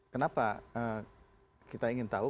kenapa kita ingin tahu